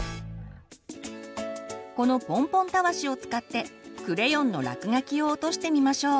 このポンポンたわしを使ってクレヨンの落書きを落としてみましょう。